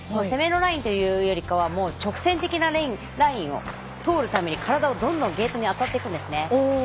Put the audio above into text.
攻めのラインというよりかはもう直線的なラインを通るために体をどんどんゲートに当たっていくんですね。